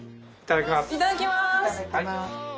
いただきます。